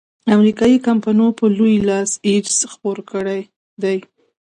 امریکایي کمپینو په لوی لاس ایډز خپور کړیدی.